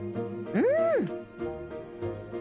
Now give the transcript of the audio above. うん！